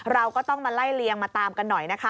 เราก็ต้องมาไล่เลียงมาตามกันหน่อยนะคะ